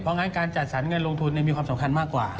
เพราะงั้นการจัดสรรเงินลงทุนมีความสำคัญมากกว่า